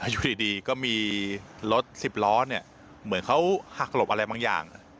อยู่ดีก็มีรถสิบล้อเนี่ยเหมือนเขาหักหลบอะไรบางอย่าง